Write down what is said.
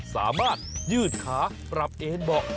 สามารถยืดขาปรับเอนเบาะ